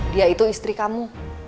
dia itu istri kamu